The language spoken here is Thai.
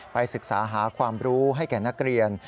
ศึกษาหาความรู้ให้แก่นักเรียน